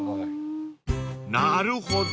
［なるほど。